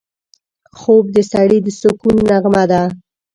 خوب د سړي د سکون نغمه ده